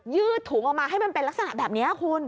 ืดถุงออกมาให้มันเป็นลักษณะแบบนี้คุณ